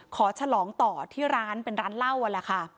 ฉลองต่อที่ร้านเป็นร้านเหล้านั่นแหละค่ะ